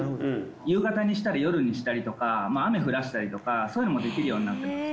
夕方にしたり夜にしたりとか雨降らしたりとかそういうのもできるようになっています。